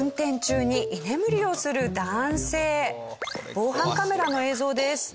防犯カメラの映像です。